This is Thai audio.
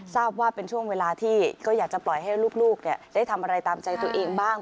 ทราบว่าเป็นช่วงเวลาที่ก็อยากจะปล่อยให้ลูกได้ทำอะไรตามใจตัวเองบ้าง